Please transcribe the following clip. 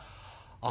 「あ！